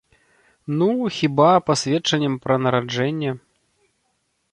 Ну, хіба, пасведчаннем пра нараджэнне.